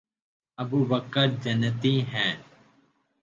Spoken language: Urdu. ابوبکر جنتی ہیں